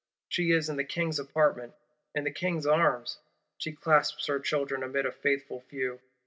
She is in the King's Apartment, in the King's arms; she clasps her children amid a faithful few.